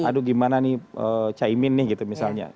aduh gimana nih caimin nih gitu misalnya